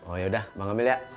oh ya sudah bang amilia